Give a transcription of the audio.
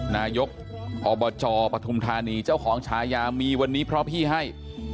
นายกอบจปฐุมธานีเจ้าของชายามีวันนี้เพราะพี่ให้